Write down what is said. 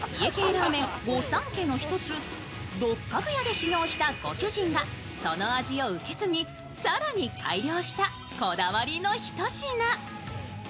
ラーメン御三家の一つ、六角家で修業したご主人がその味を受け継ぎ、更に改良したこだわりのひと品。